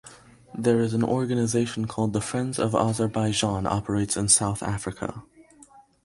There is an organization called "The Friends of Azerbaijan" operates in South Africa.